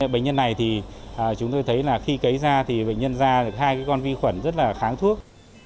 bệnh nhân này thì chúng tôi thấy là khi cấy ra thì bệnh nhân ra được hai con vi khuẩn rất là kháng thuốc